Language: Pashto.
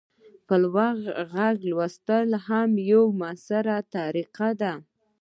په لوړ غږ لوستل هم یوه مؤثره طریقه ده.